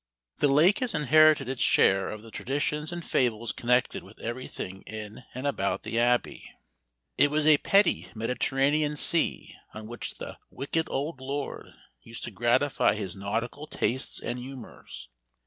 The lake has inherited its share of the traditions and fables connected with everything in and about the Abbey. It was a petty Mediterranean sea on which the "wicked old Lord" used to gratify his nautical tastes and humors.